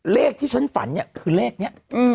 เลขที่ฉันฝันคือเลขนี้